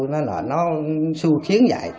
nó là nó su khiến dạy